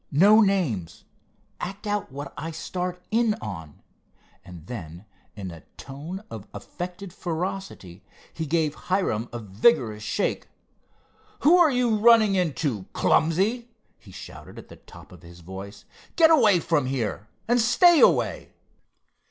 No names! Act out what I start in on." And then in a tone of affected ferocity he gave Hiram a vigorous shake. "Who are you running into, clumsy!" he shouted at the top of his voice. "Get away from here, and stay away!"